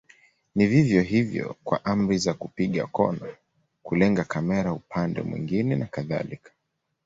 Ni vivyo hivyo kwa amri za kupiga kona, kulenga kamera upande mwingine na kadhalika.